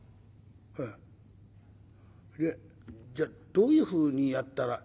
「はあでじゃあどういうふうにやったら」。